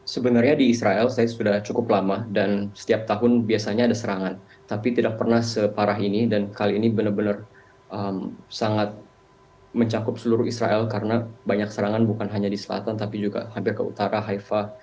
sebenarnya di israel saya sudah cukup lama dan setiap tahun biasanya ada serangan tapi tidak pernah separah ini dan kali ini benar benar sangat mencakup seluruh israel karena banyak serangan bukan hanya di selatan tapi juga hampir ke utara haifa